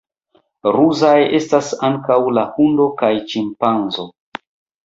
Ruzaj estas ankaŭ la hundo kaj ĉimpanzo.